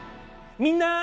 みんな！